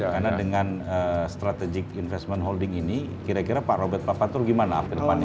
karena dengan strategic investment holding ini kira kira pak robert papantro gimana ke depannya